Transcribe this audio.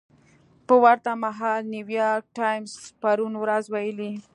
په ورته مهال نیویارک ټایمز پرون ورځ ویلي